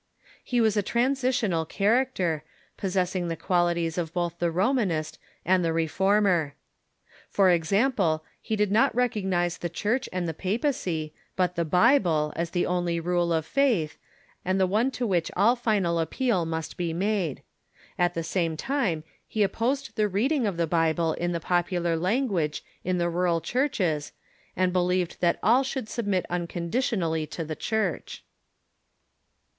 He was a transitional character, possessing the qualities of both the Romanist and the Re former. For examijle, he did not recognize the Church and the papacy, but the Bible, as the only rule of faith, and the one to which all final appeal must be made. At. the same time he opposed the reading of the Bible in the popular language in the rural churches, and believed that all should submit un conditionally to the Church.